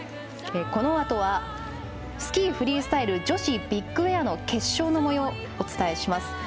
このあとはスキー・フリースタイル女子ビッグエアの決勝のもようをお伝えします。